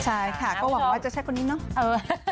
ใช่ค่ะก็หวังว่าจะใช้คนนี้เนาะ